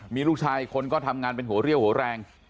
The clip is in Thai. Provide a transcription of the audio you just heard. มีลูกชายอีกคนก็ทำงานเป็นหัวเรี่ยวหัวแรง